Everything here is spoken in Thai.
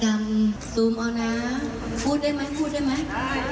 อาจารย์ดำซูมเอาน้ำพูดได้มั้ยพูดได้มั้ย